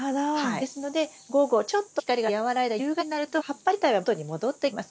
ですので午後ちょっと光が和らいだ夕方ぐらいになると葉っぱ自体は元に戻ってきます。